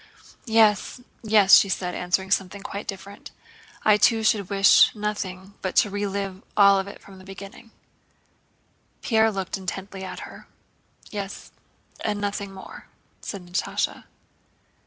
"Yes, yes," she said, answering something quite different. "I too should wish nothing but to relive it all from the beginning." Pierre looked intently at her. "Yes, and nothing more," said Natásha.